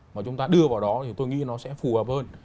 mà chúng ta đưa vào đó thì tôi nghĩ nó sẽ phù hợp hơn